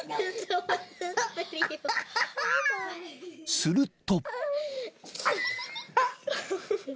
［すると］